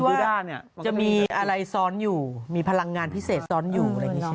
พี่ว่าจะมีอะไรซ้อนอยู่มีพลังงานพิเศษซ้อนอยู่